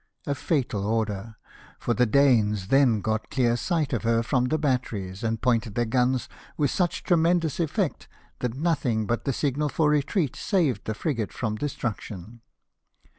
A fatal order ; for the Danes then got clear sight of her from the batteries, and pointed their guns with such tre mendous effect that nothing but the signal for retreat saved this frigate from destruction.